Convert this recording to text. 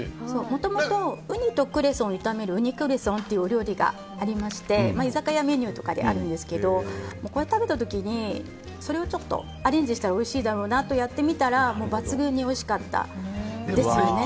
もともとウニとクレソンを炒めるウニクレソンというお料理がありまして居酒屋メニューとかであるんですけどこれを食べた時にそれをちょっとアレンジしたらおいしいだろうなとやってみたら抜群においしかったんですよね。